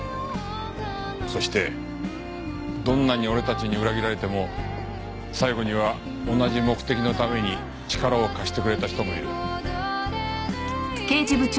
そしてどんなに俺たちに裏切られても最後には同じ目的のために力を貸してくれた人もいる。